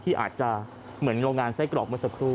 ที่อาจจะเหมือนโรงงานไส้กรอกเมื่อสักครู่